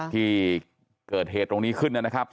ที่เกิดเหตุตรงนี้ขึ้นนะครับ